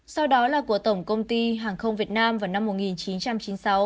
sau đó là của tổng công ty hàng không việt nam vào năm một nghìn chín trăm chín mươi sáu